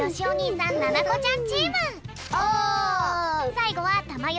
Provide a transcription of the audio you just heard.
さいごはたまよ